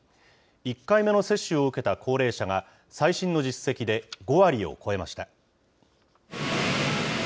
１回目の接種を受けた高齢者が、最新の実績で５割を超えました。